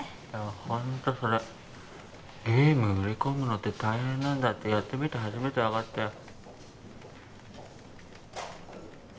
ホントそれゲーム売り込むのって大変なんだってやってみて初めて分かったよ